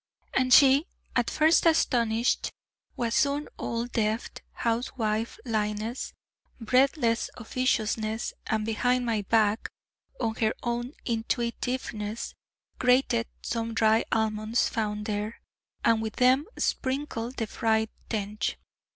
And she, at first astonished, was soon all deft housewifeliness, breathless officiousness, and behind my back, of her own intuitiveness, grated some dry almonds found there, and with them sprinkled the fried tench.